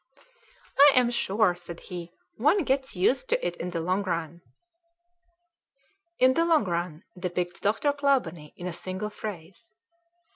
"I am sure," said he, "one gets used to it in the long run." In the long run depicts Dr. Clawbonny in a single phrase.